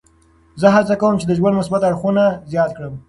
زه هڅه کوم چې د ژوند مثبت اړخونه زیات کړم.